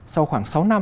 sau khoảng sáu năm